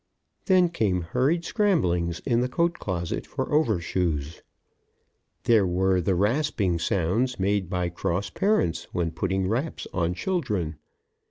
Then came hurried scramblings in the coat closet for over shoes. There were the rasping sounds made by cross parents when putting wraps on children.